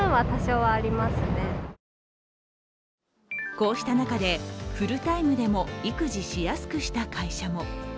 こうした中でフルタイムでも育児しやすくした会社も。